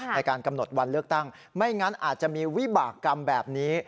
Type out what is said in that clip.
ในการกำหนดวันเลือกตั้งไม่งั้นอาจจะมีวิบากรรมแบบนี้